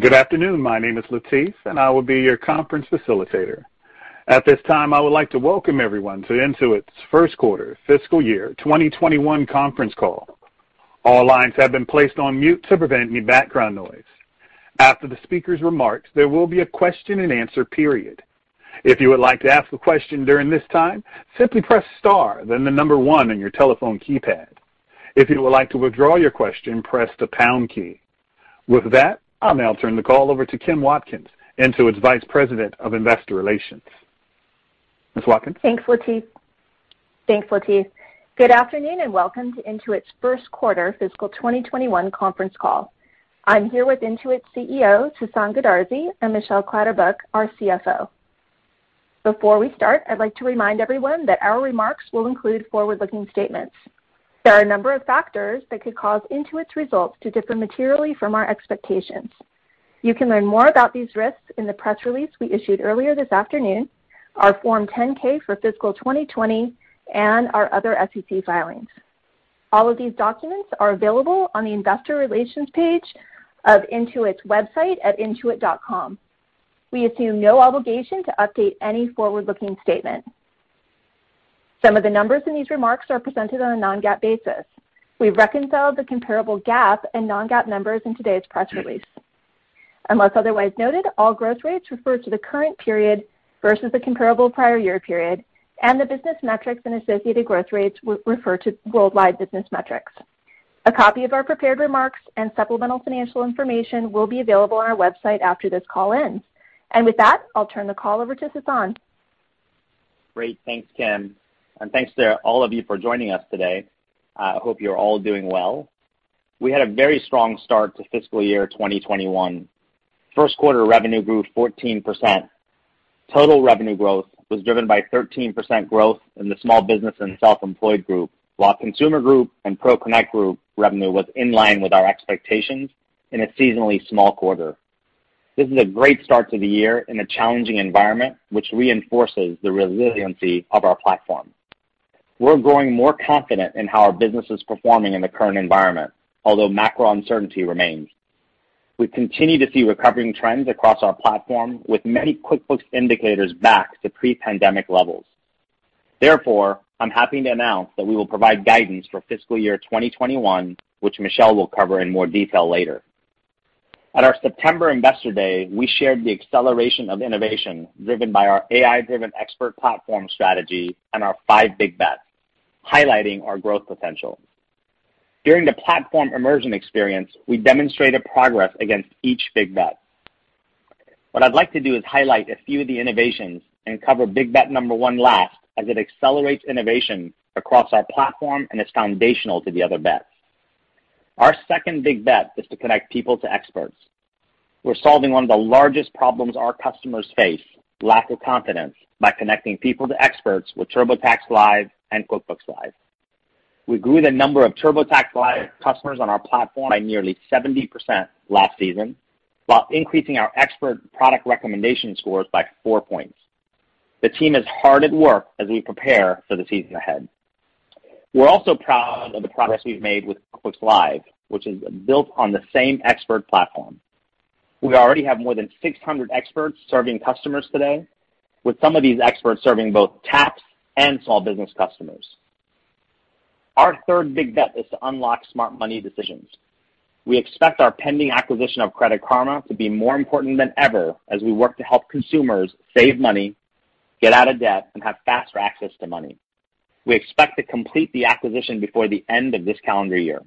Good afternoon. My name is Latif, and I will be your conference facilitator. At this time, I would like to welcome everyone to Intuit's first quarter fiscal year 2021 conference call. All lines have been placed on mute to prevent any background noise. After the speakers' remarks, there will be a question-and-answer period. If you would like to ask a question during this time, simply press star then the number one on your telephone keypad. If you would like to withdraw your question, press the pound key. With that, I'll now turn the call over to Kim Watkins, Intuit's Vice President of Investor Relations. Ms. Watkins? Thanks, Latif. Good afternoon, and welcome to Intuit's first quarter fiscal 2021 conference call. I'm here with Intuit's CEO, Sasan Goodarzi, and Michelle Clatterbuck, our CFO. Before we start, I'd like to remind everyone that our remarks will include forward-looking statements. There are a number of factors that could cause Intuit's results to differ materially from our expectations. You can learn more about these risks in the press release we issued earlier this afternoon, our Form 10-K for fiscal 2020, and our other SEC filings. All of these documents are available on the Investor Relations page of Intuit's website at intuit.com. We assume no obligation to update any forward-looking statement. Some of the numbers in these remarks are presented on a non-GAAP basis. We've reconciled the comparable GAAP and non-GAAP numbers in today's press release. Unless otherwise noted, all growth rates refer to the current period versus the comparable prior year period, and the business metrics and associated growth rates refer to worldwide business metrics. A copy of our prepared remarks and supplemental financial information will be available on our website after this call ends. With that, I'll turn the call over to Sasan. Great. Thanks, Kim. Thanks to all of you for joining us today. I hope you're all doing well. We had a very strong start to fiscal year 2021. First quarter revenue grew 14%. Total revenue growth was driven by 13% growth in the Small Business and Self-Employed Group, while Consumer Group and ProConnect Group revenue was in line with our expectations in a seasonally small quarter. This is a great start to the year in a challenging environment, which reinforces the resiliency of our platform. We're growing more confident in how our business is performing in the current environment, although macro uncertainty remains. We continue to see recovering trends across our platform, with many QuickBooks indicators back to pre-pandemic levels. I'm happy to announce that we will provide guidance for fiscal year 2021, which Michelle will cover in more detail later. At our September Investor Day, we shared the acceleration of innovation driven by our AI-driven expert platform strategy and our five big bets, highlighting our growth potential. During the platform immersion experience, we demonstrated progress against each big bet. What I'd like to do is highlight a few of the innovations and cover big bet number one last, as it accelerates innovation across our platform and is foundational to the other bets. Our second big bet is to connect people to experts. We're solving one of the largest problems our customers face, lack of confidence, by connecting people to experts with TurboTax Live and QuickBooks Live. We grew the number of TurboTax Live customers on our platform by nearly 70% last season while increasing our expert product recommendation scores by four points. The team is hard at work as we prepare for the season ahead. We're also proud of the progress we've made with QuickBooks Live, which is built on the same expert platform. We already have more than 600 experts serving customers today, with some of these experts serving both tax and small business customers. Our third big bet is to unlock smart money decisions. We expect our pending acquisition of Credit Karma to be more important than ever as we work to help consumers save money, get out of debt, and have faster access to money. We expect to complete the acquisition before the end of this calendar year.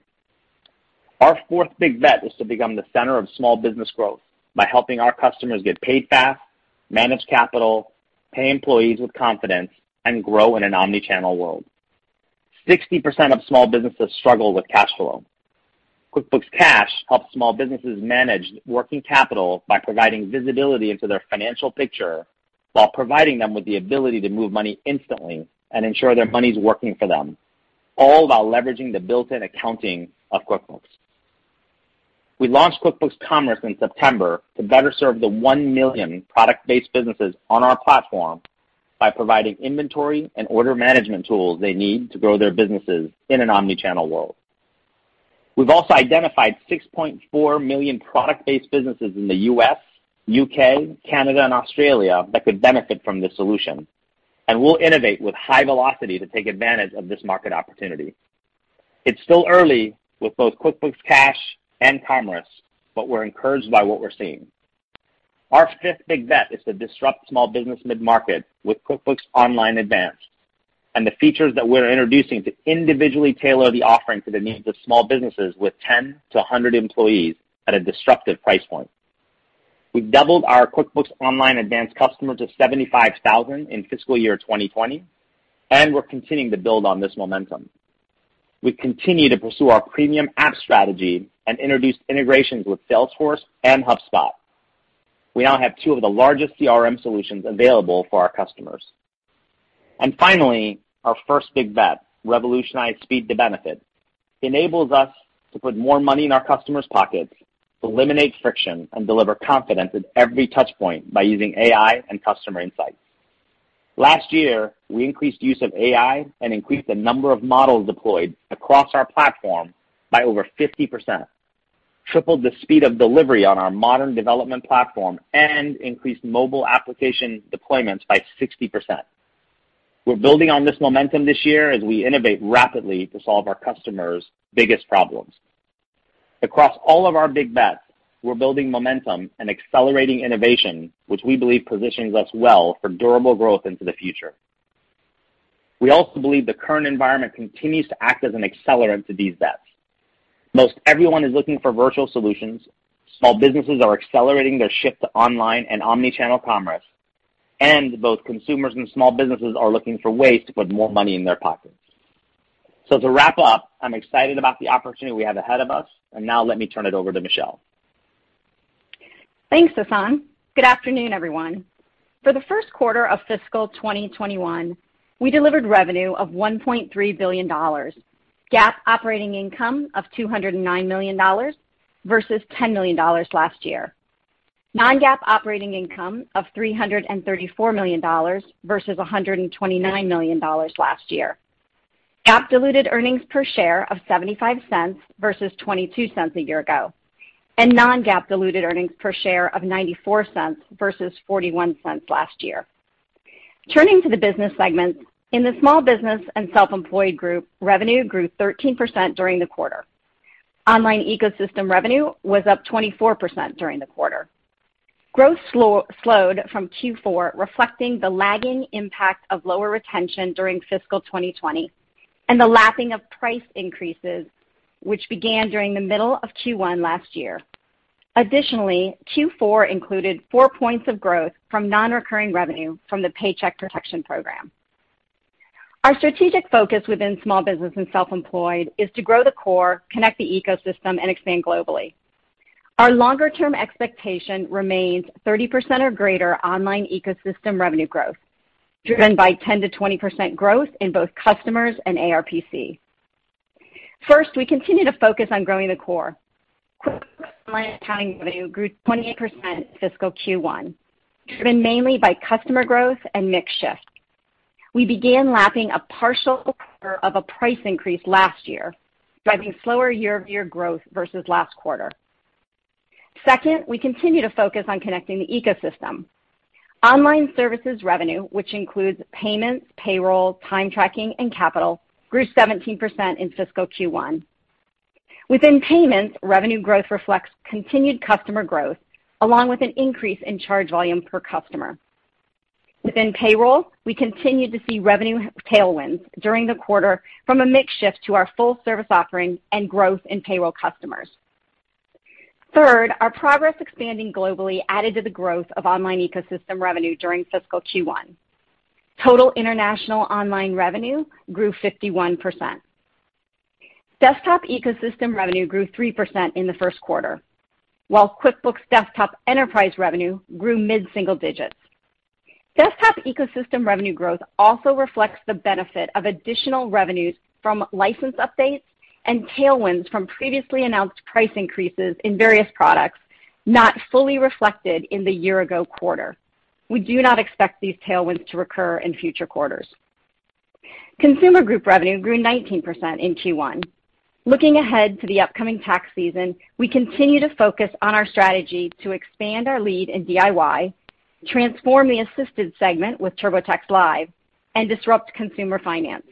Our fourth big bet is to become the center of small business growth by helping our customers get paid fast, manage capital, pay employees with confidence, and grow in an omnichannel world. 60% of small businesses struggle with cash flow. QuickBooks Cash helps small businesses manage working capital by providing visibility into their financial picture while providing them with the ability to move money instantly and ensure their money's working for them, all while leveraging the built-in accounting of QuickBooks. We launched QuickBooks Commerce in September to better serve the one million product-based businesses on our platform by providing inventory and order management tools they need to grow their businesses in an omni-channel world. We've also identified 6.4 million product-based businesses in the U.S., U.K., Canada, and Australia that could benefit from this solution, and we'll innovate with high velocity to take advantage of this market opportunity. It's still early with both QuickBooks Cash and Commerce, but we're encouraged by what we're seeing. Our fifth big bet is to disrupt small business mid-market with QuickBooks Online Advanced and the features that we're introducing to individually tailor the offering to the needs of small businesses with 10 employees-100 employees at a disruptive price point. We've doubled our QuickBooks Online Advanced customers of 75,000 in fiscal year 2020. We're continuing to build on this momentum. We continue to pursue our premium app strategy and introduce integrations with Salesforce and HubSpot. We now have two of the largest CRM solutions available for our customers. Finally, our first big bet, revolutionize speed to benefit, enables us to put more money in our customers' pockets, eliminate friction, and deliver confidence at every touchpoint by using AI and customer insights. Last year, we increased use of AI and increased the number of models deployed across our platform by over 50%, tripled the speed of delivery on our modern development platform, and increased mobile application deployments by 60%. We're building on this momentum this year as we innovate rapidly to solve our customers' biggest problems. Across all of our big bets, we're building momentum and accelerating innovation, which we believe positions us well for durable growth into the future. We also believe the current environment continues to act as an accelerant to these bets. Most everyone is looking for virtual solutions, small businesses are accelerating their shift to online and omni-channel commerce, and both consumers and small businesses are looking for ways to put more money in their pockets. To wrap up, I'm excited about the opportunity we have ahead of us. Now let me turn it over to Michelle. Thanks, Sasan. Good afternoon, everyone. For the first quarter of fiscal 2021, we delivered revenue of $1.3 billion, GAAP operating income of $209 million versus $10 million last year, non-GAAP operating income of $334 million versus $129 million last year, GAAP diluted earnings per share of $0.75 versus $0.22 a year ago, and non-GAAP diluted earnings per share of $0.94 versus $0.41 last year. Turning to the business segments, in the Small Business and Self-Employed Group, revenue grew 13% during the quarter. Online ecosystem revenue was up 24% during the quarter. Growth slowed from Q4, reflecting the lagging impact of lower retention during fiscal 2020 and the lapping of price increases, which began during the middle of Q1 last year. Q4 included four points of growth from non-recurring revenue from the Paycheck Protection Program. Our strategic focus within Small Business and Self-Employed is to grow the core, connect the ecosystem, and expand globally. Our longer-term expectation remains 30% or greater online ecosystem revenue growth, driven by 10%-20% growth in both customers and ARPC. First, we continue to focus on growing the core. QuickBooks Online accounting revenue grew 28% in fiscal Q1, driven mainly by customer growth and mix shift. We began lapping a partial quarter of a price increase last year, driving slower year-over-year growth versus last quarter. Second, we continue to focus on connecting the ecosystem. Online services revenue, which includes payments, payroll, time tracking, and capital, grew 17% in fiscal Q1. Within payments, revenue growth reflects continued customer growth, along with an increase in charge volume per customer. Within payroll, we continued to see revenue tailwinds during the quarter from a mix shift to our full service offering and growth in payroll customers. Third, our progress expanding globally added to the growth of online ecosystem revenue during fiscal Q1. Total international online revenue grew 51%. Desktop ecosystem revenue grew 3% in the first quarter, while QuickBooks Desktop Enterprise revenue grew mid-single digits. Desktop ecosystem revenue growth also reflects the benefit of additional revenues from license updates and tailwinds from previously announced price increases in various products, not fully reflected in the year-ago quarter. We do not expect these tailwinds to recur in future quarters. Consumer Group revenue grew 19% in Q1. Looking ahead to the upcoming tax season, we continue to focus on our strategy to expand our lead in DIY, transform the assisted segment with TurboTax Live, and disrupt consumer finance.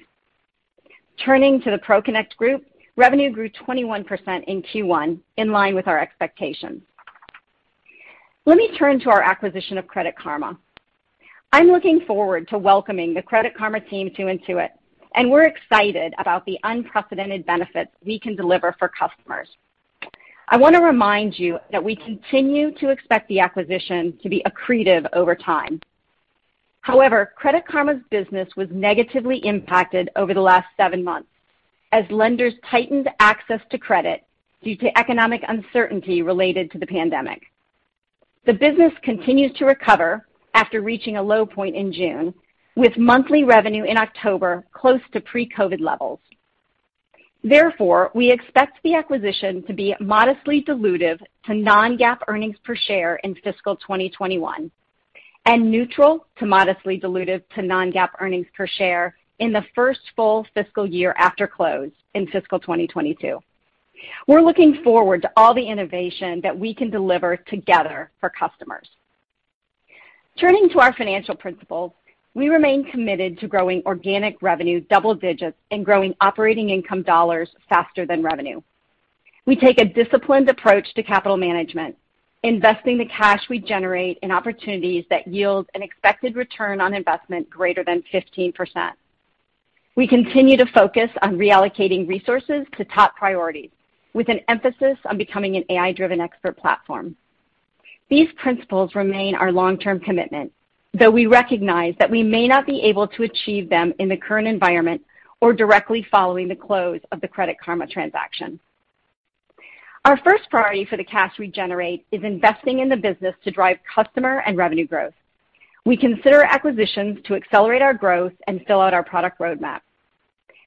Turning to the ProConnect Group, revenue grew 21% in Q1, in line with our expectations. Let me turn to our acquisition of Credit Karma. I'm looking forward to welcoming the Credit Karma team to Intuit, and we're excited about the unprecedented benefits we can deliver for customers. I want to remind you that we continue to expect the acquisition to be accretive over time. However, Credit Karma's business was negatively impacted over the last seven months as lenders tightened access to credit due to economic uncertainty related to the pandemic. The business continues to recover after reaching a low point in June, with monthly revenue in October close to pre-COVID levels. Therefore, we expect the acquisition to be modestly dilutive to non-GAAP earnings per share in fiscal 2021 and neutral to modestly dilutive to non-GAAP earnings per share in the first full fiscal year after close in fiscal 2022. We're looking forward to all the innovation that we can deliver together for customers. Turning to our financial principles, we remain committed to growing organic revenue double digits and growing operating income dollars faster than revenue. We take a disciplined approach to capital management, investing the cash we generate in opportunities that yield an expected return on investment greater than 15%. We continue to focus on reallocating resources to top priorities, with an emphasis on becoming an AI-driven expert platform. These principles remain our long-term commitment, though we recognize that we may not be able to achieve them in the current environment or directly following the close of the Credit Karma transaction. Our first priority for the cash we generate is investing in the business to drive customer and revenue growth. We consider acquisitions to accelerate our growth and fill out our product roadmap.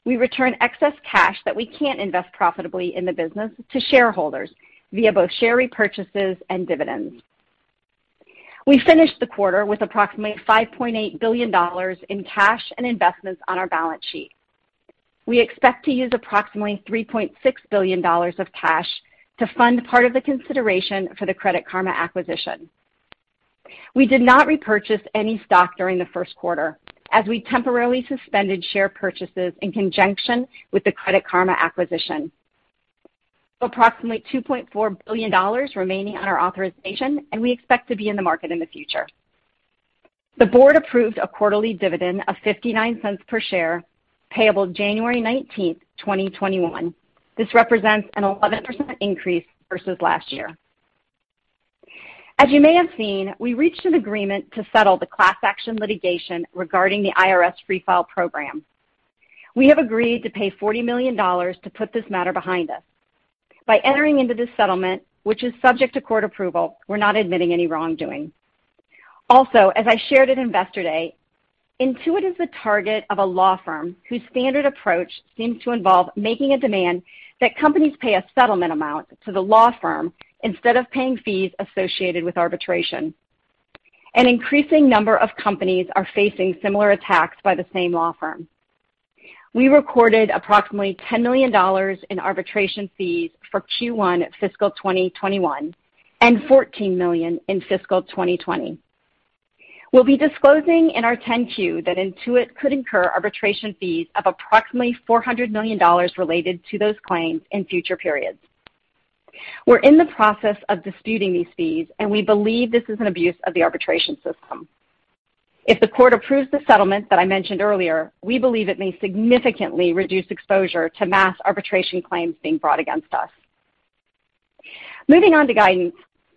We return excess cash that we can't invest profitably in the business to shareholders via both share repurchases and dividends. We finished the quarter with approximately $5.8 billion in cash and investments on our balance sheet. We expect to use approximately $3.6 billion of cash to fund part of the consideration for the Credit Karma acquisition. We did not repurchase any stock during the first quarter, as we temporarily suspended share purchases in conjunction with the Credit Karma acquisition. Approximately $2.4 billion remaining on our authorization, and we expect to be in the market in the future. The board approved a quarterly dividend of $0.59 per share, payable January 19, 2021. This represents an 11% increase versus last year. As you may have seen, we reached an agreement to settle the class action litigation regarding the IRS Free File program. We have agreed to pay $40 million to put this matter behind us. By entering into this settlement, which is subject to court approval, we're not admitting any wrongdoing. As I shared at Investor Day, Intuit is the target of a law firm whose standard approach seems to involve making a demand that companies pay a settlement amount to the law firm instead of paying fees associated with arbitration. An increasing number of companies are facing similar attacks by the same law firm. We recorded approximately $10 million in arbitration fees for Q1 fiscal 2021, and $14 million in fiscal 2020. We'll be disclosing in our 10-Q that Intuit could incur arbitration fees of approximately $400 million related to those claims in future periods. We're in the process of disputing these fees, and we believe this is an abuse of the arbitration system. If the court approves the settlement that I mentioned earlier, we believe it may significantly reduce exposure to mass arbitration claims being brought against us. Moving on to guidance.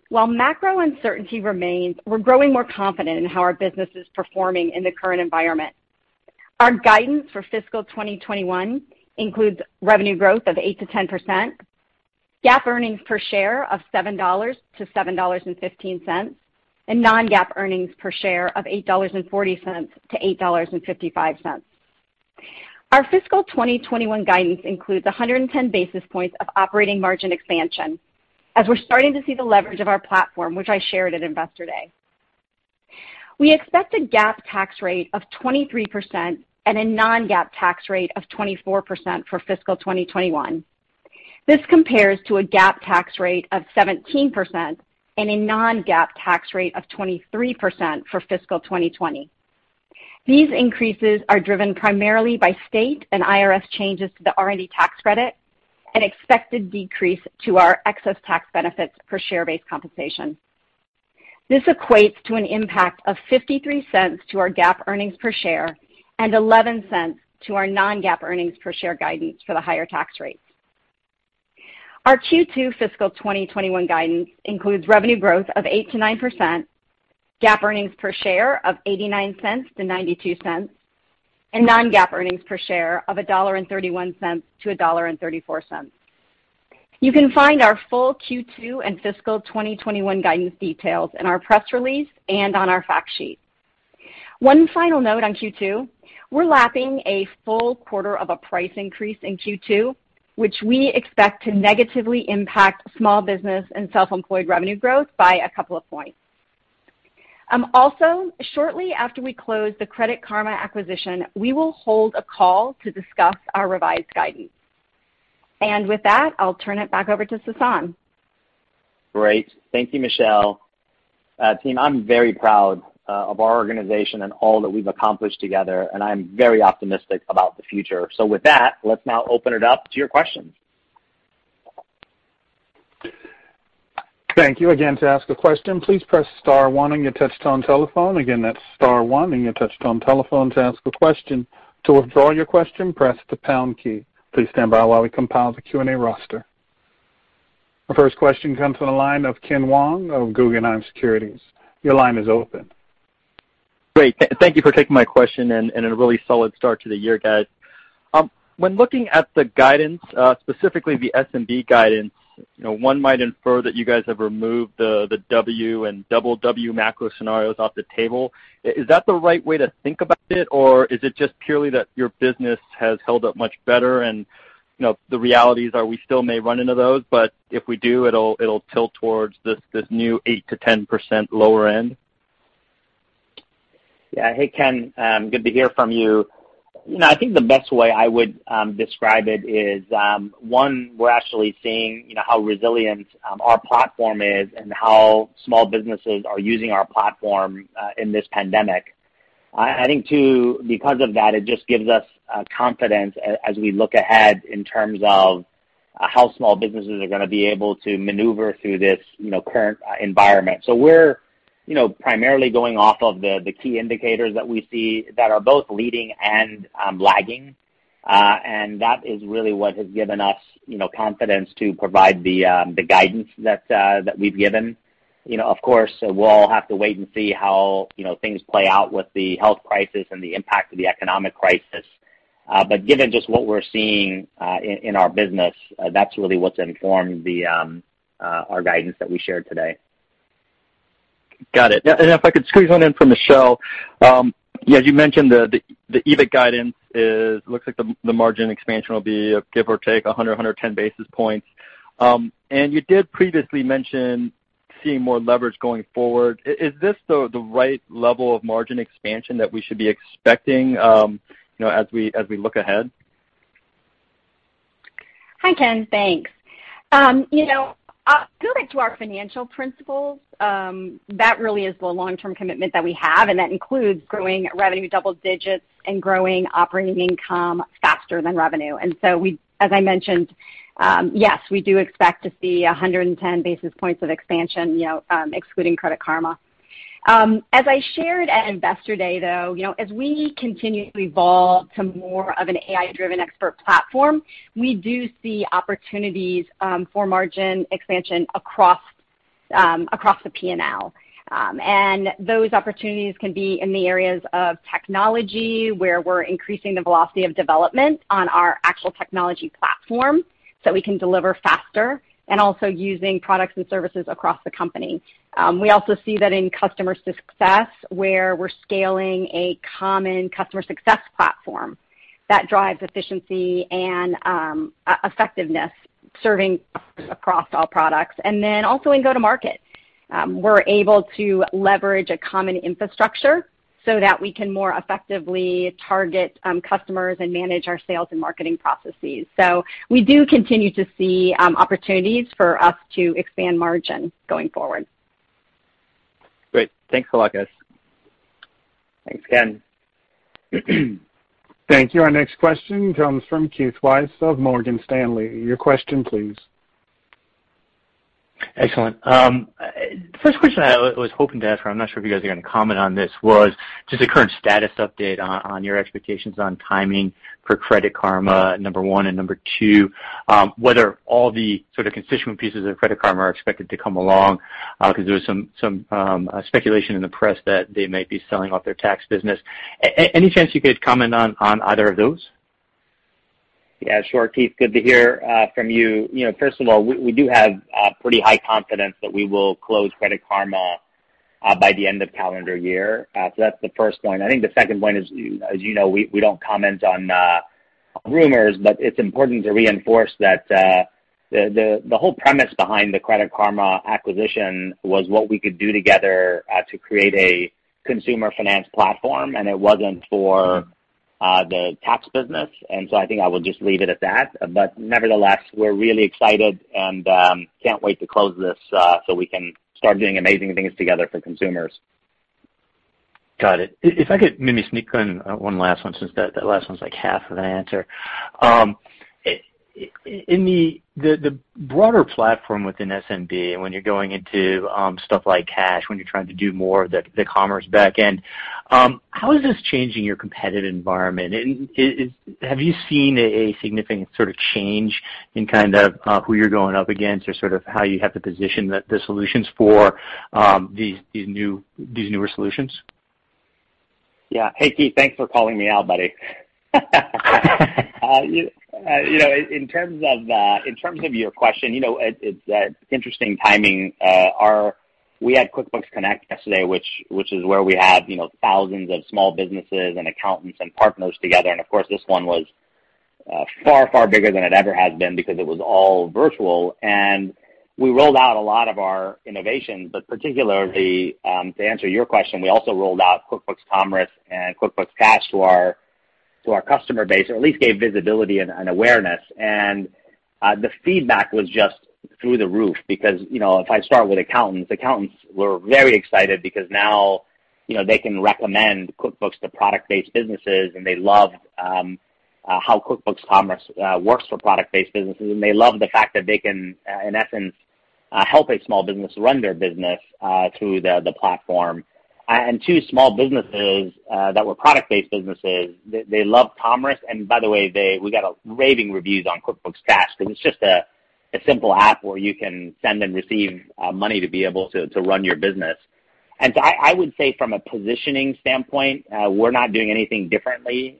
While macro uncertainty remains, we're growing more confident in how our business is performing in the current environment. Our guidance for fiscal 2021 includes revenue growth of 8%-10%, GAAP earnings per share of $7-$7.15, and non-GAAP earnings per share of $8.40-$8.55. Our fiscal 2021 guidance includes 110 basis points of operating margin expansion as we're starting to see the leverage of our platform, which I shared at Investor Day. We expect a GAAP tax rate of 23% and a non-GAAP tax rate of 24% for fiscal 2021. This compares to a GAAP tax rate of 17% and a non-GAAP tax rate of 23% for fiscal 2020. These increases are driven primarily by state and IRS changes to the R&D tax credit, an expected decrease to our excess tax benefits per share-based compensation. This equates to an impact of $0.53 to our GAAP EPS and $0.11 to our non-GAAP EPS guidance for the higher tax rates. Our Q2 fiscal 2021 guidance includes revenue growth of 8%-9%, GAAP EPS of $0.89-$0.92, and non-GAAP EPS of $1.31-$1.34. You can find our full Q2 and fiscal 2021 guidance details in our press release and on our fact sheet. One final note on Q2, we're lapping a full quarter of a price increase in Q2, which we expect to negatively impact Small Business and Self-Employed revenue growth by a couple of points. Shortly after we close the Credit Karma acquisition, we will hold a call to discuss our revised guidance. With that, I'll turn it back over to Sasan. Great. Thank you, Michelle. Team, I'm very proud of our organization and all that we've accomplished together, and I'm very optimistic about the future. With that, let's now open it up to your questions. Thank you. Again, to ask a question, please press star one on your touch-tone telephone. Again, that's star one on your touch-tone telephone to ask a question. To withdraw your question, press the pound key. Please stand by while we compile the Q&A roster. The first question comes from the line of Ken Wong of Guggenheim Securities. Your line is open. Great. Thank you for taking my question, and a really solid start to the year, guys. When looking at the guidance, specifically the SMB guidance, one might infer that you guys have removed the W and double W macro scenarios off the table. Is that the right way to think about it, or is it just purely that your business has held up much better, and the realities are we still may run into those, but if we do, it'll tilt towards this new 8%-10% lower end? Yeah. Hey, Ken. Good to hear from you. No, I think the best way I would describe it is, one, we're actually seeing how resilient our platform is and how small businesses are using our platform in this pandemic. I think two, because of that, it just gives us confidence as we look ahead in terms of how small businesses are going to be able to maneuver through this current environment. We're primarily going off of the key indicators that we see that are both leading and lagging, and that is really what has given us confidence to provide the guidance that we've given. Of course, we'll all have to wait and see how things play out with the health crisis and the impact of the economic crisis. Given just what we're seeing in our business, that's really what's informed our guidance that we shared today. Got it. If I could squeeze one in for Michelle. You mentioned the EBIT guidance looks like the margin expansion will be give or take 110 basis points. You did previously mention seeing more leverage going forward. Is this the right level of margin expansion that we should be expecting as we look ahead? Hi, Ken. Thanks. Going back to our financial principles, that really is the long-term commitment that we have, and that includes growing revenue double digits and growing operating income faster than revenue. As I mentioned, yes, we do expect to see 110 basis points of expansion, excluding Credit Karma. As I shared at Investor Day, though, as we continue to evolve to more of an AI-driven expert platform, we do see opportunities for margin expansion across the P&L. Those opportunities can be in the areas of technology, where we're increasing the velocity of development on our actual technology platform so we can deliver faster, and also using products and services across the company. We also see that in customer success, where we're scaling a common customer success platform that drives efficiency and effectiveness serving across all products. Also in go-to-market. We're able to leverage a common infrastructure so that we can more effectively target customers and manage our sales and marketing processes. We do continue to see opportunities for us to expand margin going forward. Great. Thanks a lot, guys. Thanks, Ken. Thank you. Our next question comes from Keith Weiss of Morgan Stanley. Your question, please. Excellent. First question I was hoping to ask, but I am not sure if you guys are going to comment on this, was just a current status update on your expectations on timing for Credit Karma, number one, and number two, whether all the sort of constituent pieces of Credit Karma are expected to come along, because there was some speculation in the press that they might be selling off their tax business. Any chance you could comment on either of those? Yeah, sure, Keith. Good to hear from you. First of all, we do have pretty high confidence that we will close Credit Karma by the end of calendar year. That's the first point. I think the second point is, as you know, we don't comment on rumors, but it's important to reinforce that the whole premise behind the Credit Karma acquisition was what we could do together to create a consumer finance platform, and it wasn't for the tax business. I think I will just leave it at that. Nevertheless, we're really excited and can't wait to close this so we can start doing amazing things together for consumers. Got it. If I could maybe sneak one last one, since that last one's like half of an answer. In the broader platform within SMB, when you're going into stuff like cash, when you're trying to do more of the Commerce back end, how is this changing your competitive environment? Have you seen a significant sort of change in kind of who you're going up against or sort of how you have to position the solutions for these newer solutions? Yeah. Hey, Keith, thanks for calling me out, buddy. In terms of your question, it's interesting timing. We had QuickBooks Connect yesterday, which is where we had thousands of small businesses and accountants and partners together, and of course, this one was far bigger than it ever has been because it was all virtual. We rolled out a lot of our innovations, but particularly to answer your question, we also rolled out QuickBooks Commerce and QuickBooks Cash to our customer base, or at least gave visibility and awareness. The feedback was just through the roof because if I start with accountants were very excited because now they can recommend QuickBooks to product-based businesses, and they love how QuickBooks Commerce works for product-based businesses, and they love the fact that they can, in essence, help a small business run their business through the platform. Two small businesses that were product-based businesses, they love Commerce, and by the way, we got raving reviews on QuickBooks Cash, because it's just a simple app where you can send and receive money to be able to run your business. I would say from a positioning standpoint, we're not doing anything differently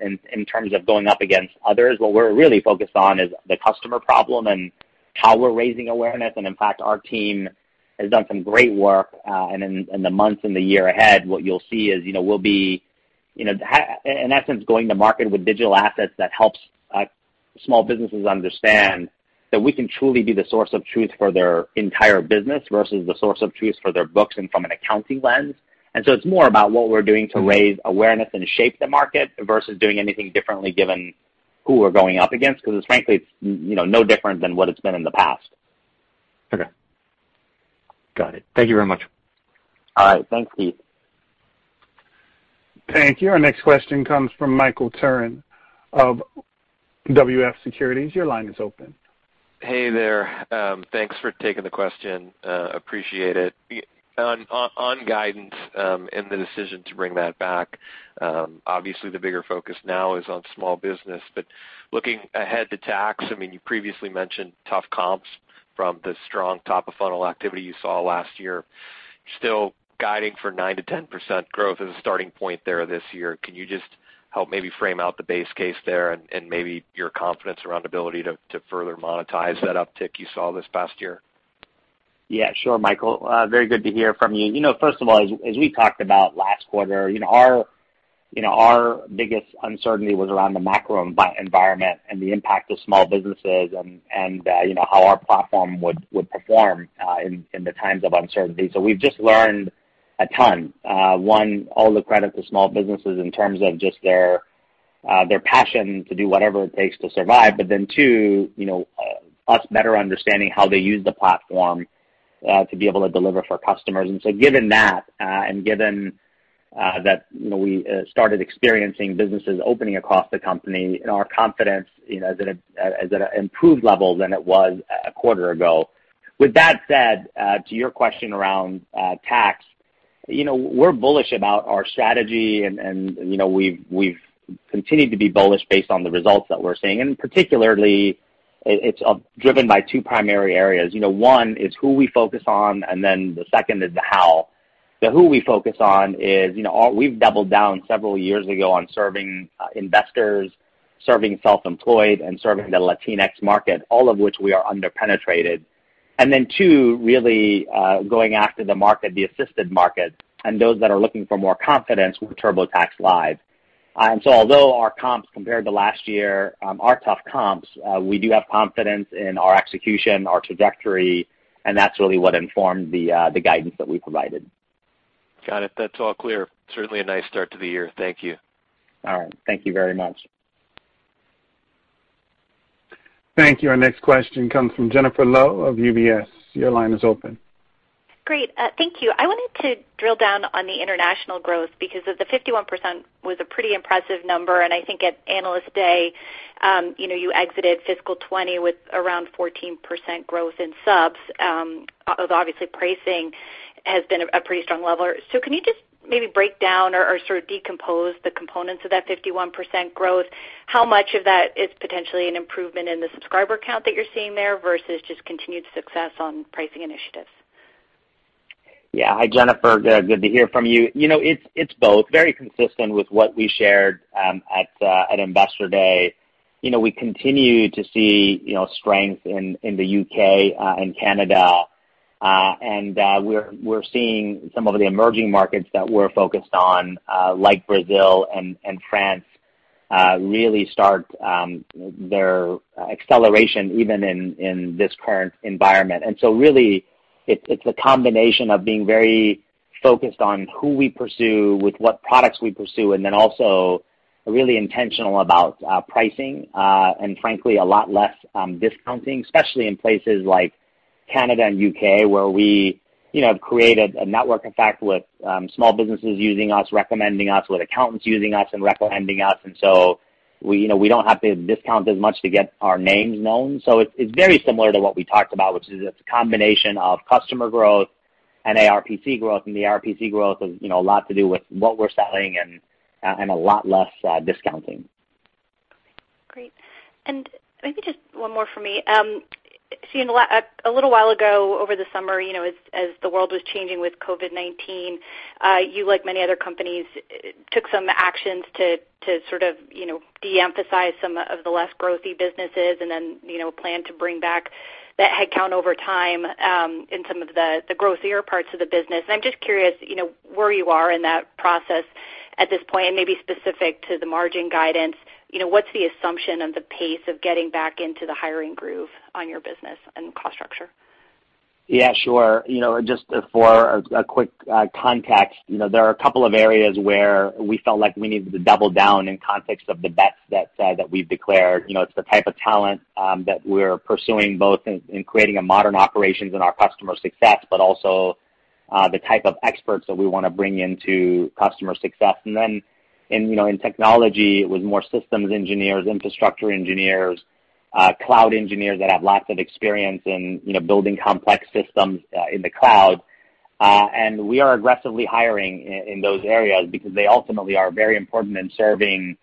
in terms of going up against others. What we're really focused on is the customer problem and how we're raising awareness. In fact, our team has done some great work, and in the months and the year ahead, what you'll see is we'll be, in essence, going to market with digital assets that helps small businesses understand that we can truly be the source of truth for their entire business versus the source of truth for their books and from an accounting lens. It's more about what we're doing to raise awareness and shape the market versus doing anything differently given who we're going up against, because frankly, it's no different than what it's been in the past. Okay. Got it. Thank you very much. All right. Thanks, Keith. Thank you. Our next question comes from Michael Turrin of WF Securities. Your line is open. Hey there. Thanks for taking the question. Appreciate it. On guidance and the decision to bring that back, obviously the bigger focus now is on small business, but looking ahead to tax, you previously mentioned tough comps from the strong top-of-funnel activity you saw last year. Still guiding for 9%-10% growth as a starting point there this year. Can you just help maybe frame out the base case there and maybe your confidence around ability to further monetize that uptick you saw this past year? Sure Michael. Very good to hear from you. First of all, as we talked about last quarter, our biggest uncertainty was around the macro environment and the impact of small businesses and how our platform would perform in the times of uncertainty. We've just learned a ton. One, all the credit to small businesses in terms of just their passion to do whatever it takes to survive, but then two, us better understanding how they use the platform to be able to deliver for customers. Given that, and given that we started experiencing businesses opening across the company and our confidence is at an improved level than it was a quarter ago. With that said, to your question around tax, we're bullish about our strategy and we've continued to be bullish based on the results that we're seeing, and particularly, it's driven by two primary areas. One is who we focus on, then the second is the how. The who we focus on is, we've doubled down several years ago on serving investors, serving self-employed, and serving the LatinX market, all of which we are under-penetrated. Then two, really going after the market, the assisted market, and those that are looking for more confidence with TurboTax Live. So although our comps compared to last year are tough comps, we do have confidence in our execution, our trajectory, and that's really what informed the guidance that we provided. Got it. That's all clear. Certainly a nice start to the year. Thank you. All right. Thank you very much. Thank you. Our next question comes from Jennifer Lowe of UBS. Your line is open. Great. Thank you. I wanted to drill down on the international growth because of the 51% was a pretty impressive number, and I think at Analyst Day, you exited fiscal 2020 with around 14% growth in subs, although obviously pricing has been a pretty strong lever. Can you just maybe break down or sort of decompose the components of that 51% growth? How much of that is potentially an improvement in the subscriber count that you're seeing there versus just continued success on pricing initiatives? Yeah. Hi, Jennifer. Good to hear from you. It's both. Very consistent with what we shared at Investor Day. We continue to see strength in the U.K. and Canada. We're seeing some of the emerging markets that we're focused on, like Brazil and France, really start their acceleration even in this current environment. Really, it's a combination of being very focused on who we pursue with what products we pursue, and then also really intentional about pricing, and frankly, a lot less discounting, especially in places like Canada and U.K., where we have created a network effect with small businesses using us, recommending us, with accountants using us and recommending us. We don't have to discount as much to get our names known. It's very similar to what we talked about, which is it's a combination of customer growth and ARPC growth. The ARPC growth has a lot to do with what we're selling and a lot less discounting. Great. Maybe just one more for me. Sasan, a little while ago, over the summer, as the world was changing with COVID-19, you, like many other companies, took some actions to sort of de-emphasize some of the less growthy businesses and then plan to bring back that headcount over time in some of the growthier parts of the business. I'm just curious where you are in that process at this point, and maybe specific to the margin guidance, what's the assumption of the pace of getting back into the hiring groove on your business and cost structure? Yeah, sure. Just for a quick context, there are a couple of areas where we felt like we needed to double down in context of the bets that we've declared. It's the type of talent that we're pursuing, both in creating a modern operations in our customer success, but also the type of experts that we want to bring into customer success. Then in technology, it was more systems engineers, infrastructure engineers, cloud engineers that have lots of experience in building complex systems in the cloud. We are aggressively hiring in those areas because they ultimately are very important in serving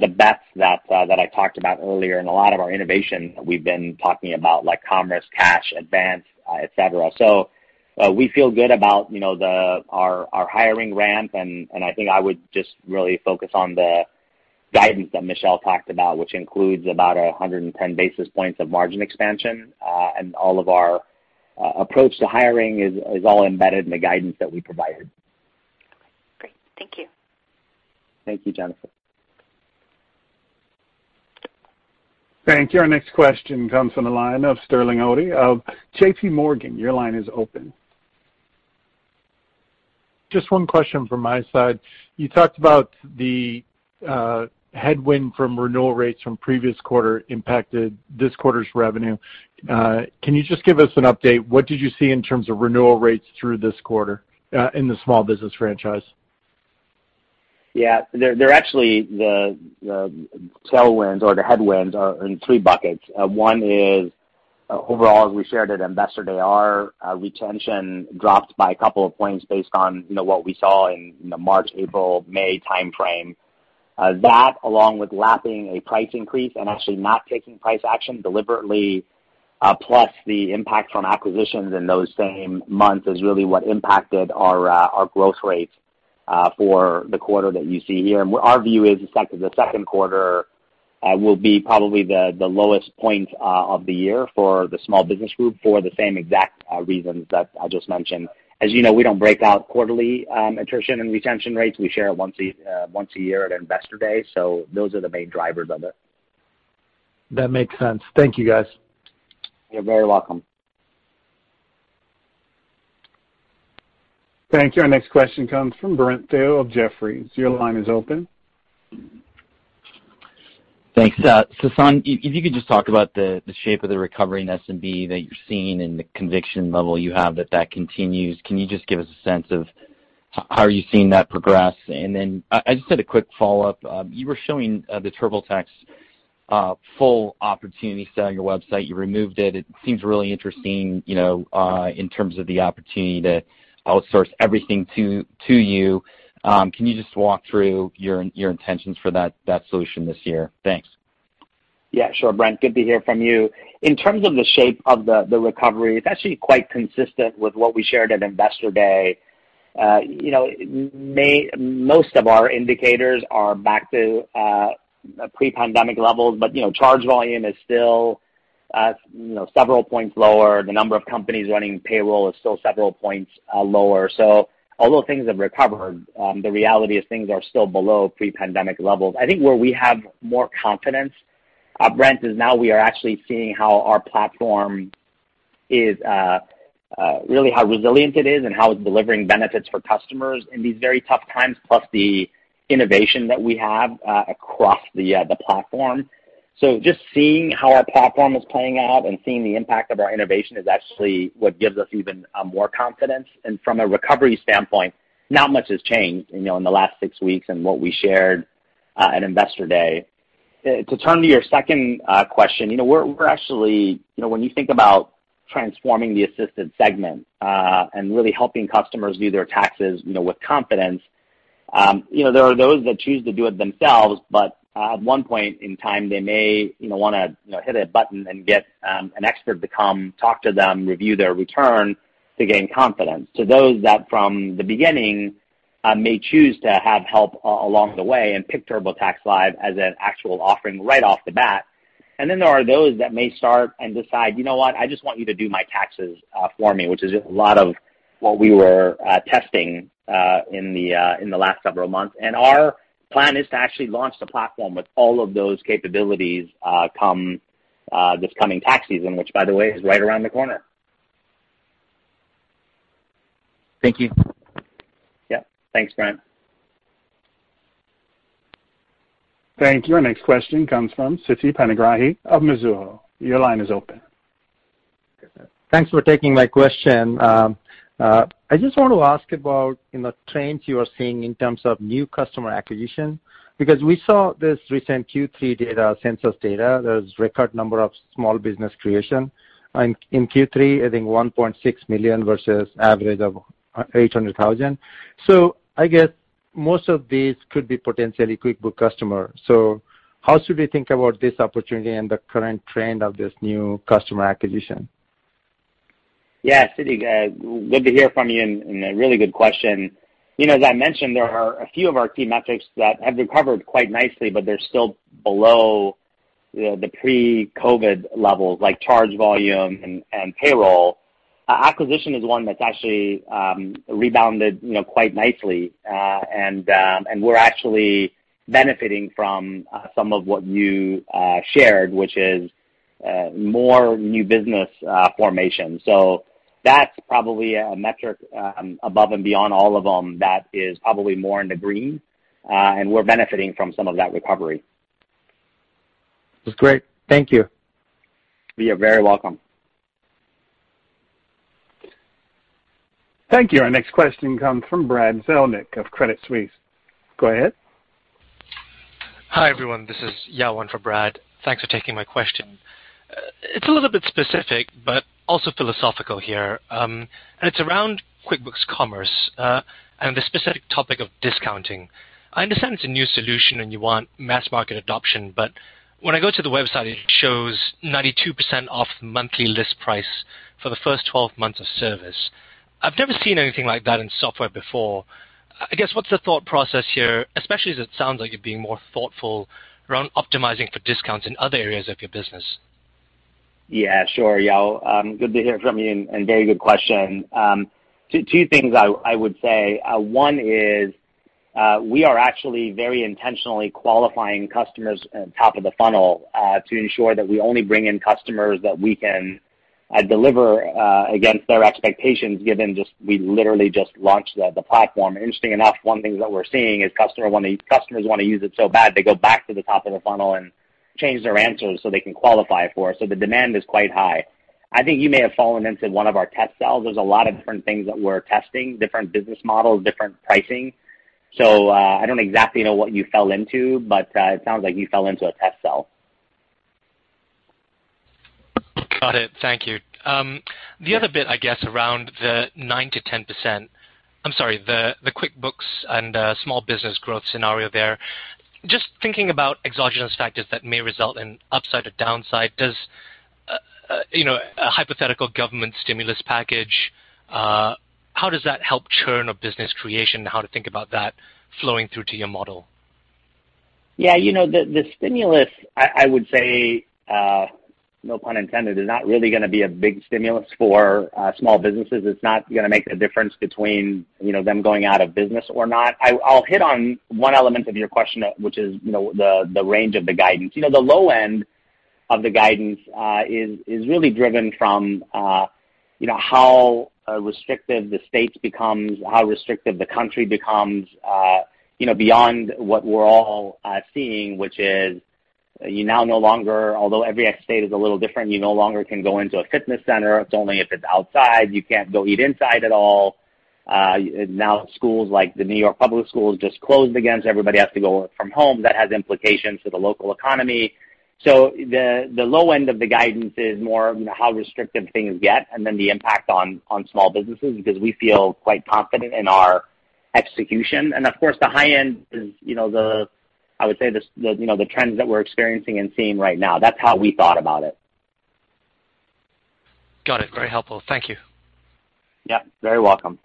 the bets that I talked about earlier, and a lot of our innovation we've been talking about, like Commerce, Cash, Advanced, et cetera. We feel good about our hiring ramp, and I think I would just really focus on the guidance that Michelle talked about, which includes about 110 basis points of margin expansion. All of our approach to hiring is all embedded in the guidance that we provided. Okay, great. Thank you. Thank you, Jennifer. Thank you. Our next question comes from the line of Sterling Auty of JPMorgan. Your line is open. Just one question from my side. You talked about the headwind from renewal rates from previous quarter impacted this quarter's revenue. Can you just give us an update? What did you see in terms of renewal rates through this quarter in the Small Business franchise? Yeah. They're actually, the tailwinds or the headwinds are in three buckets. One is overall, as we shared at Investor Day, our retention dropped by a couple of points based on what we saw in the March, April, May timeframe. That, along with lapping a price increase and actually not taking price action deliberately, plus the impact from acquisitions in those same months, is really what impacted our growth rates for the quarter that you see here. Our view is that the second quarter will be probably the lowest point of the year for the Small Business group for the same exact reasons that I just mentioned. As you know, we don't break out quarterly attrition and retention rates. We share it once a year at Investor Day. Those are the main drivers of it. That makes sense. Thank you, guys. You're very welcome. Thank you. Our next question comes from Brent Thill of Jefferies. Your line is open. Thanks. Sasan, if you could just talk about the shape of the recovery in SMB that you're seeing and the conviction level you have that that continues. Can you just give us a sense of how are you seeing that progress? I just had a quick follow-up. You were showing the TurboTax full opportunity sale on your website. You removed it. It seems really interesting in terms of the opportunity to outsource everything to you. Can you just walk through your intentions for that solution this year? Thanks. Yeah, sure, Brent. Good to hear from you. In terms of the shape of the recovery, it's actually quite consistent with what we shared at Investor Day. Most of our indicators are back to pre-pandemic levels, but charge volume is still several points lower. The number of companies running payroll is still several points lower. Although things have recovered, the reality is things are still below pre-pandemic levels. I think where we have more confidence, Brent, is now we are actually seeing how our platform is really how resilient it is and how it's delivering benefits for customers in these very tough times, plus the innovation that we have across the platform. Just seeing how our platform is playing out and seeing the impact of our innovation is actually what gives us even more confidence. From a recovery standpoint, not much has changed in the last six weeks and what we shared at Investor Day. To turn to your second question, when you think about transforming the assisted segment and really helping customers do their taxes with confidence, there are those that choose to do it themselves, but at one point in time, they may want to hit a button and get an expert to come talk to them, review their return to gain confidence. Those that from the beginning may choose to have help along the way and pick TurboTax Live as an actual offering right off the bat. There are those that may start and decide, "You know what? I just want you to do my taxes for me," which is a lot of what we were testing in the last several months. Our plan is to actually launch the platform with all of those capabilities this coming tax season, which by the way, is right around the corner. Thank you. Yeah. Thanks, Brent. Thank you. Our next question comes from Siti Panigrahi of Mizuho. Your line is open. Thanks for taking my question. I just want to ask about trends you are seeing in terms of new customer acquisition, because we saw this recent Q3 data, Census data, there's record number of small business creation in Q3, I think 1.6 million versus average of 800,000. I guess most of these could be potentially QuickBooks customer. How should we think about this opportunity and the current trend of this new customer acquisition? Yeah, Siti, good to hear from you, and a really good question. As I mentioned, there are a few of our key metrics that have recovered quite nicely, but they're still below the pre-COVID levels, like charge volume and payroll. Acquisition is one that's actually rebounded quite nicely, and we're actually benefiting from some of what you shared, which is more new business formation. That's probably a metric above and beyond all of them that is probably more in the green, and we're benefiting from some of that recovery. That's great. Thank you. You're very welcome. Thank you. Our next question comes from Brad Zelnick of Credit Suisse. Go ahead. Hi, everyone. This is Yao in for Brad. Thanks for taking my question. It's a little bit specific, but also philosophical here. It's around QuickBooks Commerce, and the specific topic of discounting. I understand it's a new solution and you want mass market adoption, but when I go to the website, it shows 92% off monthly list price for the first 12 months of service. I've never seen anything like that in software before. I guess, what's the thought process here, especially as it sounds like you're being more thoughtful around optimizing for discounts in other areas of your business? Yeah, sure, Yao. Good to hear from you. Very good question. Two things I would say. One is we are actually very intentionally qualifying customers top of the funnel to ensure that we only bring in customers that we can deliver against their expectations, given we literally just launched the platform. Interestingly enough, one thing that we're seeing is customers want to use it so bad, they go back to the top of the funnel and change their answers so they can qualify for it. The demand is quite high. I think you may have fallen into one of our test cells. There's a lot of different things that we're testing, different business models, different pricing. I don't exactly know what you fell into, but it sounds like you fell into a test cell. Got it. Thank you. The other bit, I guess, around the 9%-10%, I'm sorry, the QuickBooks and Small Business growth scenario there. Just thinking about exogenous factors that may result in upside or downside, does a hypothetical government stimulus package, how does that help churn of business creation? How to think about that flowing through to your model? Yeah. The stimulus, I would say, no pun intended, is not really going to be a big stimulus for small businesses. It's not going to make the difference between them going out of business or not. I will hit on one element of your question, which is the range of the guidance. The low end of the guidance is really driven from how restrictive the states becomes, how restrictive the country becomes, beyond what we're all seeing, which is you now no longer, although every state is a little different, you no longer can go into a fitness center. It's only if it's outside. You can't go eat inside at all. Now schools like the New York Public Schools just closed again, so everybody has to go from home. That has implications for the local economy. The low end of the guidance is more how restrictive things get and then the impact on small businesses, because we feel quite confident in our execution. Of course, the high end is the, I would say, the trends that we're experiencing and seeing right now. That's how we thought about it. Got it. Very helpful. Thank you. Yeah. Very welcome.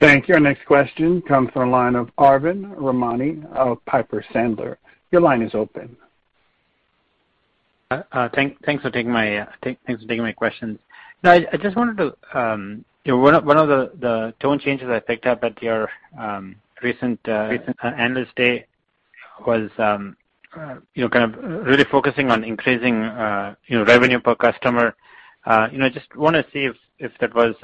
Thank you. Our next question comes from the line of Arvind Ramnani of Piper Sandler. Your line is open. Thanks for taking my question. One of the tone changes I picked up at your recent Analyst Day was really focusing on increasing revenue per customer. Just want to see if that was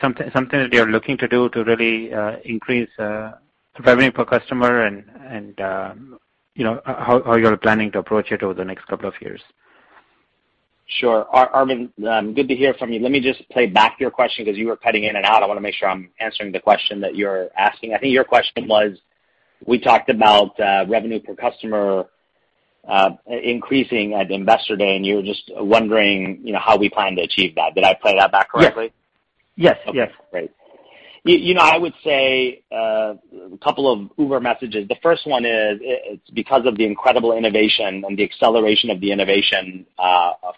something that you're looking to do to really increase revenue per customer, and how you're planning to approach it over the next couple of years. Sure. Arvind, good to hear from you. Let me just play back your question because you were cutting in and out. I want to make sure I'm answering the question that you're asking. I think your question was, we talked about revenue per customer increasing at Investor Day, and you were just wondering how we plan to achieve that. Did I play that back correctly? Yes. Okay, great. I would say a couple of uber-messages. The first one is, it's because of the incredible innovation and the acceleration of the innovation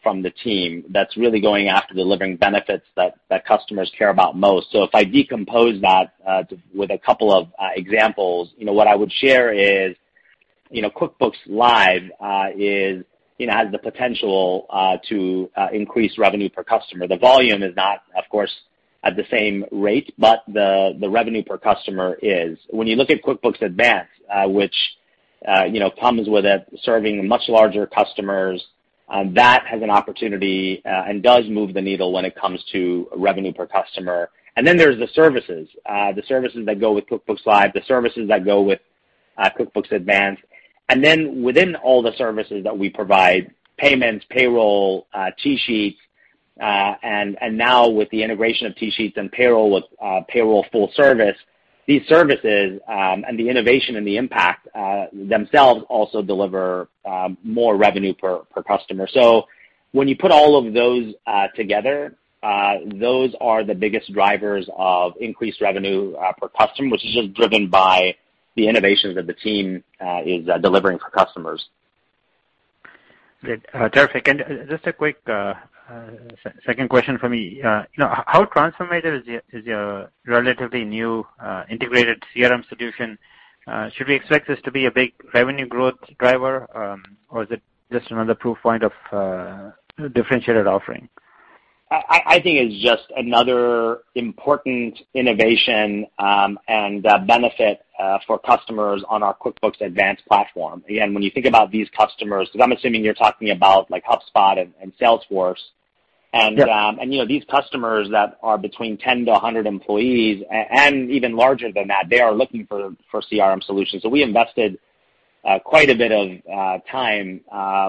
from the team that's really going after delivering benefits that customers care about most. If I decompose that with a couple of examples, what I would share is QuickBooks Live has the potential to increase revenue per customer. The volume is not, of course, at the same rate, but the revenue per customer is. When you look at QuickBooks Advanced, which comes with it serving much larger customers, that has an opportunity and does move the needle when it comes to revenue per customer. Then there's the services, the services that go with QuickBooks Live, the services that go with QuickBooks Advanced, and then within all the services that we provide, payments, payroll, TSheets, and now with the integration of TSheets and payroll with payroll full service, these services, and the innovation and the impact themselves also deliver more revenue per customer. When you put all of those together, those are the biggest drivers of increased revenue per customer, which is just driven by the innovations that the team is delivering for customers. Good. Terrific. Just a quick second question for me. How transformative is your relatively new integrated CRM solution? Should we expect this to be a big revenue growth driver? Or is it just another proof point of differentiated offering? I think it's just another important innovation and benefit for customers on our QuickBooks Advanced platform. Again, when you think about these customers, because I'm assuming you're talking about HubSpot and Salesforce. Yeah These customers that are between 10 employees-100 employees, and even larger than that, they are looking for CRM solutions. We invested quite a bit of time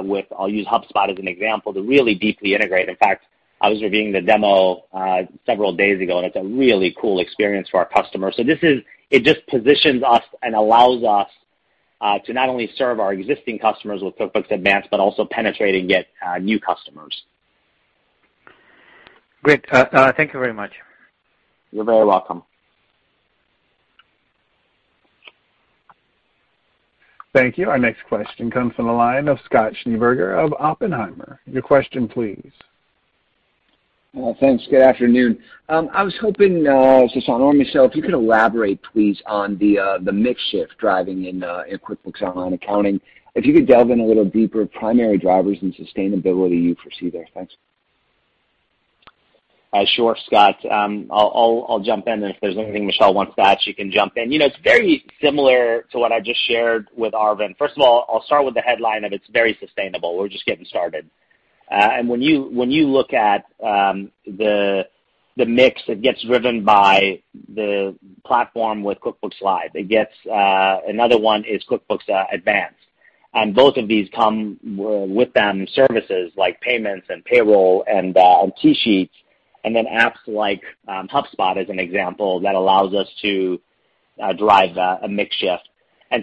with, I'll use HubSpot as an example, to really deeply integrate. In fact, I was reviewing the demo several days ago, and it's a really cool experience for our customers. It just positions us and allows us to not only serve our existing customers with QuickBooks Advanced, but also penetrate and get new customers. Great. Thank you very much. You're very welcome. Thank you. Our next question comes from the line of Scott Schneeberger of Oppenheimer. Your question, please. Thanks. Good afternoon. I was hoping, Sasan or Michelle, if you could elaborate, please, on the mix shift driving in QuickBooks Online. If you could delve in a little deeper, primary drivers and sustainability you foresee there. Thanks. Sure, Scott. If there's anything Michelle wants to add, she can jump in. It's very similar to what I just shared with Arvind. First of all, I'll start with the headline of it's very sustainable. We're just getting started. When you look at the mix that gets driven by the platform with QuickBooks Live, another one is QuickBooks Advanced. Both of these come with them services like payments and payroll and TSheets, and then apps like HubSpot, as an example, that allows us to drive a mix shift.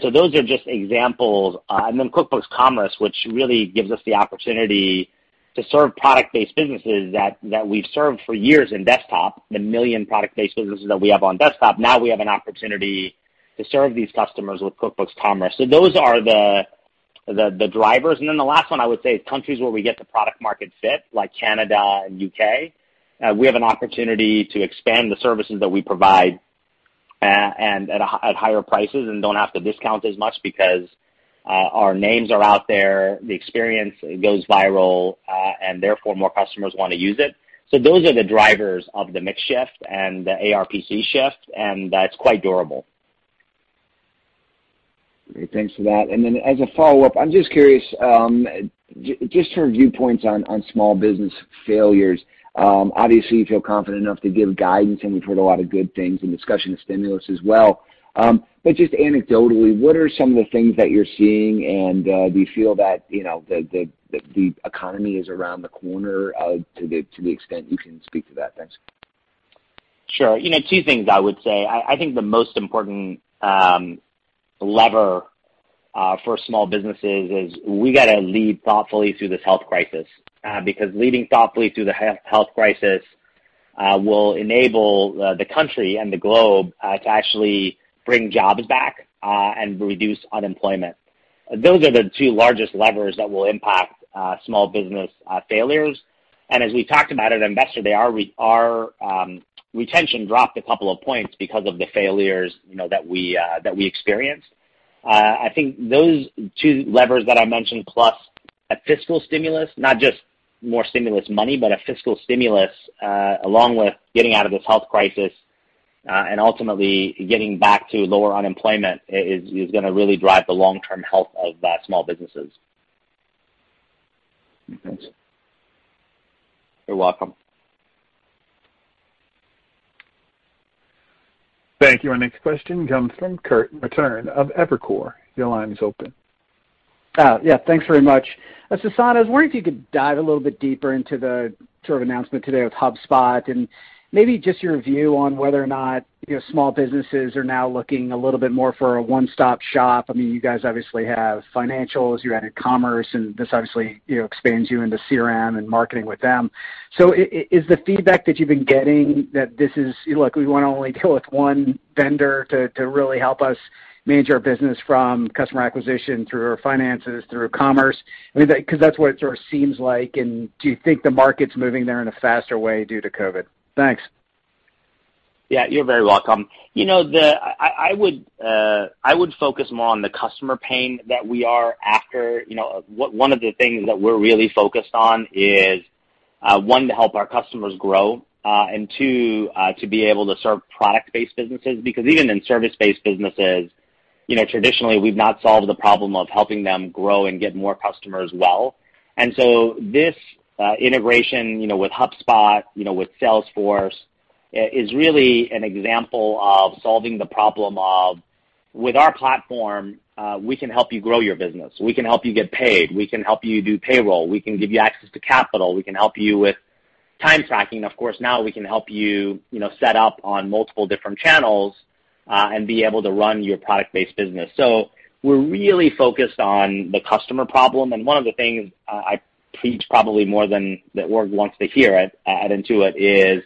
Those are just examples. Then QuickBooks Commerce, which really gives us the opportunity to serve product-based businesses that we've served for years in Desktop, the 1 million product-based businesses that we have on Desktop, now we have an opportunity to serve these customers with QuickBooks Commerce. Those are the drivers. The last one I would say is countries where we get to product market fit, like Canada and U.K. We have an opportunity to expand the services that we provide at higher prices and don't have to discount as much because our names are out there, the experience goes viral, and therefore more customers want to use it. Those are the drivers of the mix shift and the ARPC shift, and it's quite durable. Great. Thanks for that. Then as a follow-up, I'm just curious, just your viewpoints on small business failures. Obviously you feel confident enough to give guidance, and we've heard a lot of good things in discussion of stimulus as well. Just anecdotally, what are some of the things that you're seeing, and do you feel that the economy is around the corner to the extent you can speak to that? Thanks. Sure. Two things I would say. I think the most important lever for small businesses is we got to lead thoughtfully through this health crisis. Leading thoughtfully through the health crisis will enable the country and the globe to actually bring jobs back and reduce unemployment. Those are the two largest levers that will impact small business failures. As we talked about at Investor Day, our retention dropped a couple of points because of the failures that we experienced. Those two levers that I mentioned, plus a fiscal stimulus, not just more stimulus money, but a fiscal stimulus, along with getting out of this health crisis, and ultimately getting back to lower unemployment is going to really drive the long-term health of small businesses. Thanks. You're welcome. Thank you. Our next question comes from Kirk Materne of Evercore. Your line is open. Thanks very much. Sasan, I was wondering if you could dive a little bit deeper into the sort of announcement today with HubSpot, and maybe just your view on whether or not small businesses are now looking a little bit more for a one-stop shop. You guys obviously have financials, you added Commerce, this obviously expands you into CRM and marketing with them. Is the feedback that you've been getting that this is like, "We want to only deal with one vendor to really help us manage our business from customer acquisition through our finances through Commerce?" That's what it sort of seems like, and do you think the market's moving there in a faster way due to COVID? Thanks. Yeah, you're very welcome. I would focus more on the customer pain that we are after. One of the things that we're really focused on is, one, to help our customers grow, and two, to be able to serve product-based businesses, because even in service-based businesses, traditionally we've not solved the problem of helping them grow and get more customers well. This integration with HubSpot, with Salesforce, is really an example of solving the problem of with our platform, we can help you grow your business. We can help you get paid. We can help you do payroll. We can give you access to capital. We can help you with time tracking. Of course, now we can help you set up on multiple different channels, and be able to run your product-based business. We're really focused on the customer problem, and one of the things I preach probably more than the org wants to hear at Intuit is,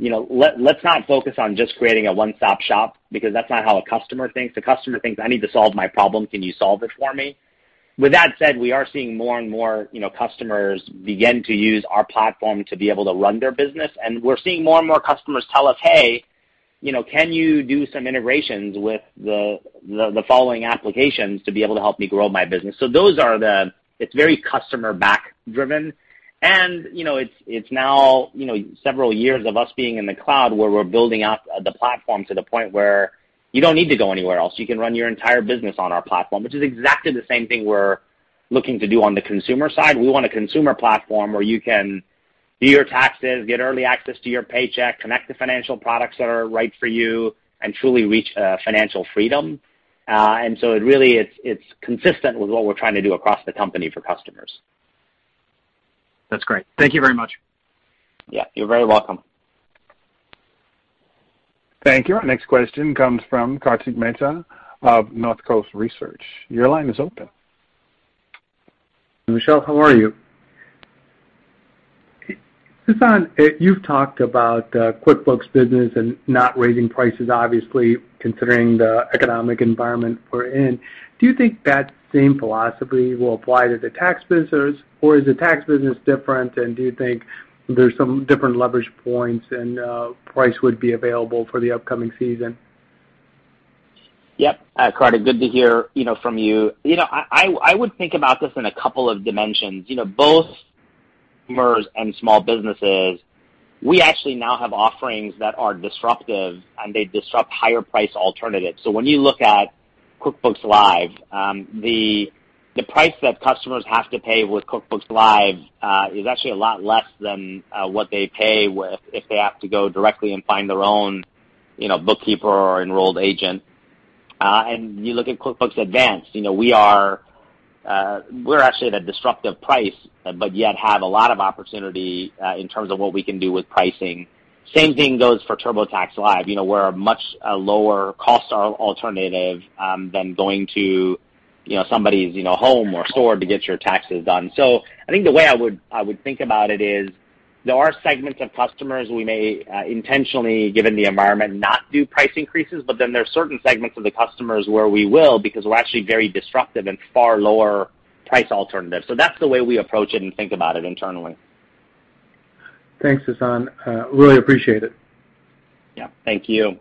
let's not focus on just creating a one-stop shop because that's not how a customer thinks. A customer thinks, "I need to solve my problem. Can you solve it for me?" With that said, we are seeing more and more customers begin to use our platform to be able to run their business, and we're seeing more and more customers tell us, "Hey, can you do some integrations with the following applications to be able to help me grow my business?" It's very customer-back driven. It's now several years of us being in the cloud where we're building out the platform to the point where you don't need to go anywhere else. You can run your entire business on our platform, which is exactly the same thing we're looking to do on the consumer side. We want a consumer platform where you can do your taxes, get early access to your paycheck, connect to financial products that are right for you, and truly reach financial freedom. Really, it's consistent with what we're trying to do across the company for customers. That's great. Thank you very much. Yeah. You're very welcome. Thank you. Our next question comes from Kartik Mehta of Northcoast Research. Your line is open. Michelle, how are you? Sasan, you've talked about QuickBooks business and not raising prices, obviously, considering the economic environment we're in, do you think that same philosophy will apply to the tax business, or is the tax business different, and do you think there's some different leverage points and price would be available for the upcoming season? Yep. Kartik, good to hear from you. I would think about this in a couple of dimensions. Both customers and small businesses, we actually now have offerings that are disruptive, and they disrupt higher price alternatives. When you look at QuickBooks Live, the price that customers have to pay with QuickBooks Live is actually a lot less than what they pay if they have to go directly and find their own bookkeeper or enrolled agent. You look at QuickBooks Advanced, we're actually at a disruptive price, but yet have a lot of opportunity in terms of what we can do with pricing. Same thing goes for TurboTax Live. We're a much lower cost alternative than going to somebody's home or store to get your taxes done. I think the way I would think about it is there are segments of customers we may intentionally, given the environment, not do price increases, but then there are certain segments of the customers where we will, because we're actually very disruptive and far lower price alternative. That's the way we approach it and think about it internally. Thanks, Sasan. Really appreciate it. Yeah. Thank you.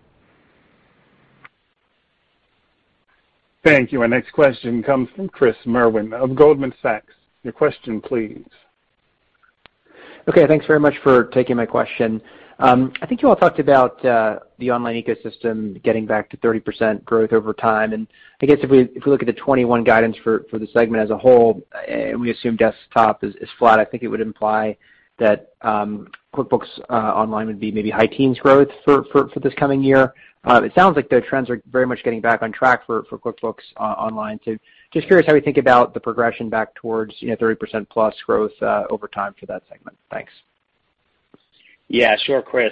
Thank you. Our next question comes from Chris Merwin of Goldman Sachs. Your question please. Okay. Thanks very much for taking my question. I think you all talked about the online ecosystem getting back to 30% growth over time. I guess if we look at the 2021 guidance for the segment as a whole, we assume QuickBooks Desktop is flat, I think it would imply that QuickBooks Online would be maybe high teens growth for this coming year. It sounds like the trends are very much getting back on track for QuickBooks Online. Just curious how you think about the progression back towards 30%+ growth over time for that segment. Thanks. Yeah, sure, Chris.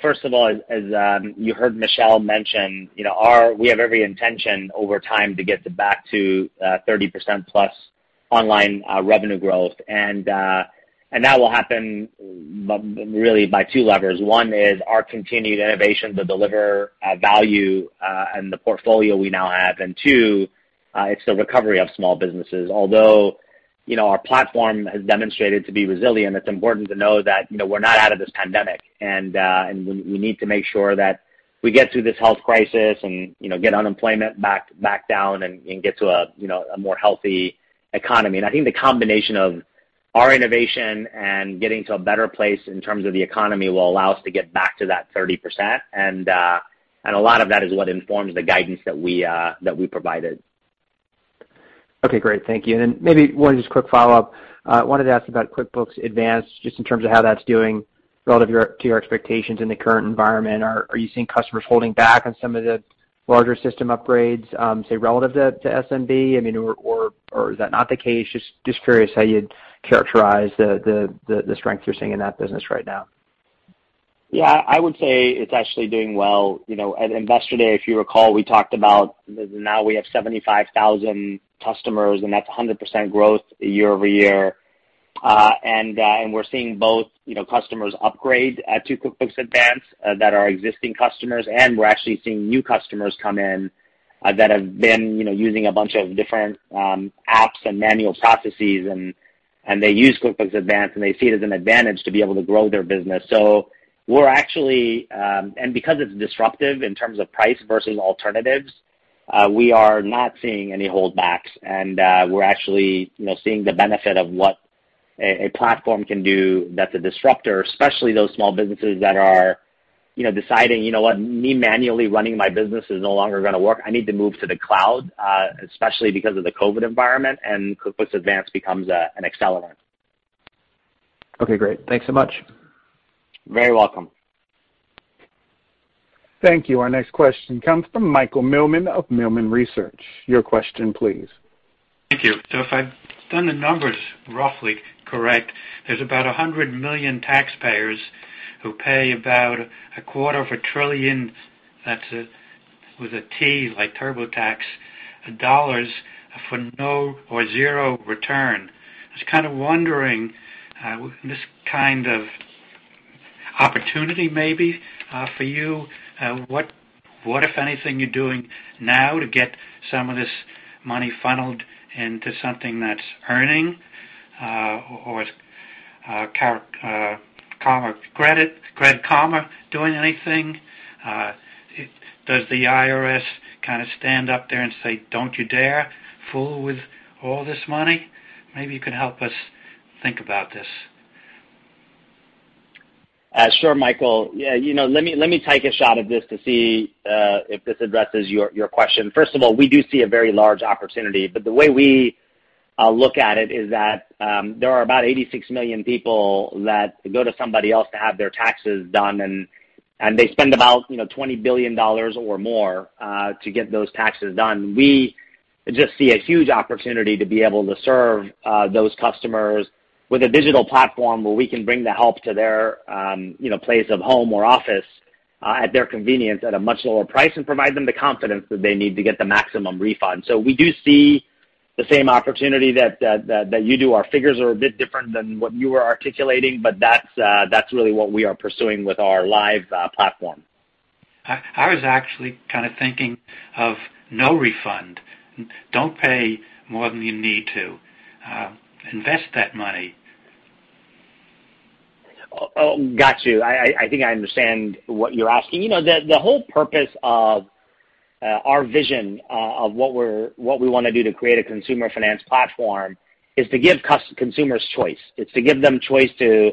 First of all, as you heard Michelle mention, we have every intention over time to get back to 30% plus online revenue growth. That will happen really by two levers. One is our continued innovation to deliver value and the portfolio we now have. Two, it's the recovery of small businesses. Although our platform has demonstrated to be resilient, it's important to know that we're not out of this pandemic. We need to make sure that we get through this health crisis and get unemployment back down and get to a more healthy economy. I think the combination of our innovation and getting to a better place in terms of the economy will allow us to get back to that 30%. A lot of that is what informs the guidance that we provided. Okay, great. Thank you. Then maybe one just quick follow-up. Wanted to ask about QuickBooks Advanced, just in terms of how that's doing relative to your expectations in the current environment. Are you seeing customers holding back on some of the larger system upgrades, say, relative to SMB? Is that not the case? Just curious how you'd characterize the strength you're seeing in that business right now. Yeah, I would say it's actually doing well. At Investor Day, if you recall, we talked about now we have 75,000 customers, and that's 100% growth year-over-year. We're seeing both customers upgrade to QuickBooks Advanced that are existing customers, and we're actually seeing new customers come in that have been using a bunch of different apps and manual processes, and they use QuickBooks Advanced, and they see it as an advantage to be able to grow their business. Because it's disruptive in terms of price versus alternatives, we are not seeing any holdbacks, and we're actually seeing the benefit of what a platform can do that's a disruptor, especially those small businesses that are deciding, "You know what? Me manually running my business is no longer gonna work. I need to move to the cloud, especially because of the COVID environment, and QuickBooks Advanced becomes an accelerant. Okay, great. Thanks so much. Very welcome. Thank you. Our next question comes from Michael Millman of Millman Research. Your question please. Thank you. If I've done the numbers roughly correct, there's about 100 million taxpayers who pay about a quarter of a trillion, that's with a T like TurboTax, dollars for no or zero return. I was kind of wondering this kind of opportunity maybe for you, what if anything you're doing now to get some of this money funneled into something that's earning, or is Credit Karma doing anything? Does the IRS kind of stand up there and say, "Don't you dare fool with all this money"? Maybe you could help us think about this. Sure, Michael. Yeah, let me take a shot at this to see if this addresses your question. First of all, we do see a very large opportunity, but the way we look at it is that there are about 86 million people that go to somebody else to have their taxes done, and they spend about $20 billion or more to get those taxes done. We just see a huge opportunity to be able to serve those customers with a digital platform where we can bring the help to their place of home or office at their convenience at a much lower price and provide them the confidence that they need to get the maximum refund. We do see the same opportunity that you do. Our figures are a bit different than what you were articulating, but that's really what we are pursuing with our live platform. I was actually kind of thinking of no refund. Don't pay more than you need to. Invest that money. Oh, got you. I think I understand what you're asking. The whole purpose of our vision of what we want to do to create a consumer finance platform is to give consumers choice. It's to give them choice to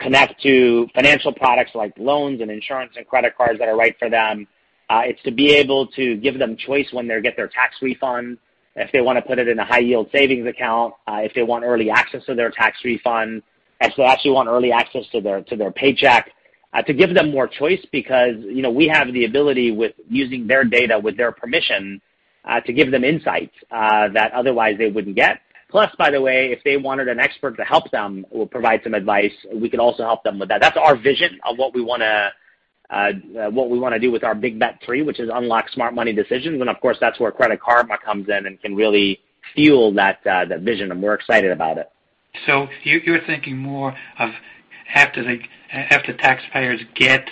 connect to financial products like loans and insurance and credit cards that are right for them. It's to be able to give them choice when they get their tax refund, if they want to put it in a high yield savings account, if they want early access to their tax refund, if they actually want early access to their paycheck, to give them more choice because we have the ability with using their data with their permission to give them insights that otherwise they wouldn't get. By the way, if they wanted an expert to help them or provide some advice, we could also help them with that. That's our vision of what we want to do with our Big Bet 3, which is unlock smart money decisions, and of course, that's where Credit Karma comes in and can really fuel that vision, and we're excited about it. You're thinking more of after taxpayers get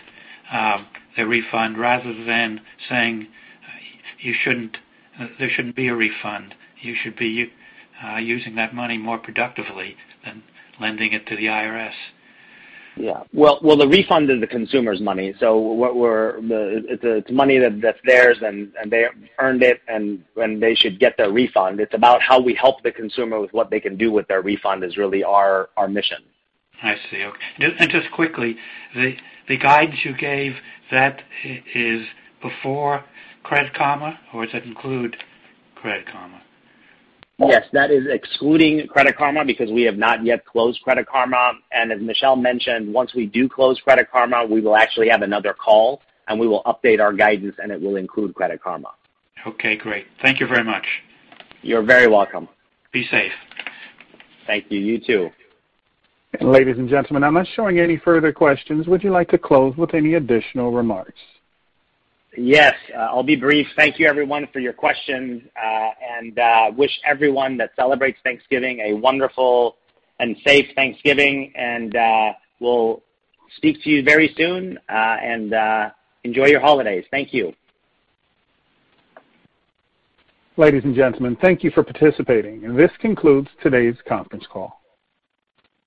their refund rather than saying there shouldn't be a refund, you should be using that money more productively than lending it to the IRS. Yeah. Well, the refund is the consumer's money. It's money that's theirs, and they earned it, and they should get their refund. It's about how we help the consumer with what they can do with their refund is really our mission. I see. Okay. Just quickly, the guidance you gave, that is before Credit Karma, or does that include Credit Karma? Yes, that is excluding Credit Karma because we have not yet closed Credit Karma, and as Michelle mentioned, once we do close Credit Karma, we will actually have another call, and we will update our guidance, and it will include Credit Karma. Okay, great. Thank you very much. You're very welcome. Be safe. Thank you. You too. Ladies and gentlemen, I'm not showing any further questions. Would you like to close with any additional remarks? Yes. I'll be brief. Thank you everyone for your questions, and wish everyone that celebrates Thanksgiving a wonderful and safe Thanksgiving, and we'll speak to you very soon. Enjoy your holidays. Thank you. Ladies and gentlemen, thank you for participating, and this concludes today's conference call.